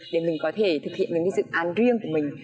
để mình có thể thực hiện những dự án riêng của mình